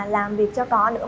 làm việc cho có nữa